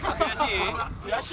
悔しい？